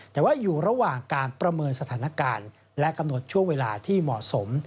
แต่ว่าอยู่ระหว่างการประเมินสถานการณ์และกำหนดช่วงเวลาที่เหมาะสม